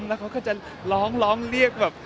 แล้วเขาก็จะร้องร้องเรียกแบบ